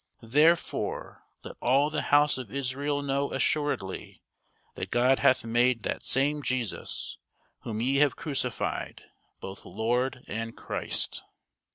Therefore let all the house of Israel know assuredly, that God hath made that same Jesus, whom ye have crucified, both Lord and Christ.